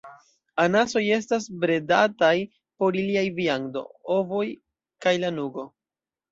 Anasoj estas bredataj por iliaj viando, ovoj, kaj lanugo.